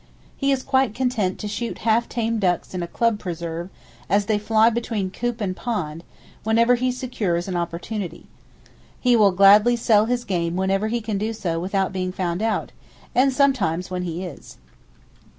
He is quite content to shoot half tame ducks in a club preserve as they fly between coop and pond, whenever he secures an opportunity. He will gladly sell his game whenever he can do so without being found out, and sometimes when he is.